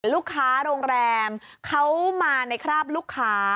ลูกค้าโรงแรมเขามาในคราบลูกค้า